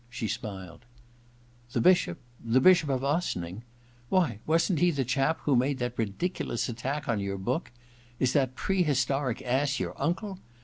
She smiled. *The Bishop — the Bishop of Ossining? Why, wasn't he the chap who made that ridiculous attack on your book ? Is that pre historic ass your uncle